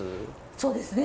そうですね！